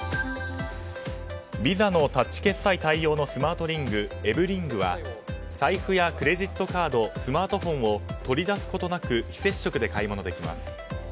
ＶＩＳＡのタッチ決済対応のスマートリングＥＶＥＲＩＮＧは財布やクレジットカードスマートフォンを取り出すことなく非接触で買い物できます。